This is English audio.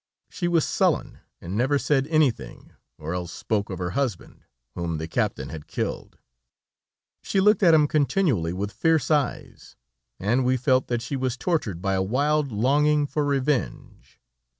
She was sullen and never said anything, or else spoke of her husband, whom the captain had killed. She looked at him continually with fierce eyes, and we felt that she was tortured by a wild longing for revenge.